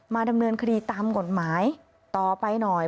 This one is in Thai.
ดำเนินคดีตามกฎหมายต่อไปหน่อย